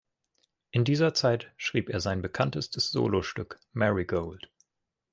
In dieser Zeit schrieb er sein bekanntestes Solostück "Marigold".